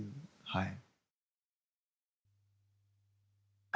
はい。